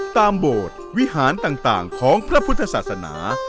โบสถ์วิหารต่างของพระพุทธศาสนา